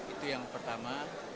itu yang pertama